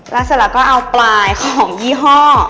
แล้วเสร็จแล้วก็เอาปลายของยี่ห้อ